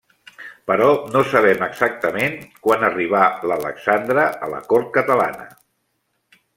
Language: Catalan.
Però no sabem exactament quan arribà l'Alexandre a la Cort catalana.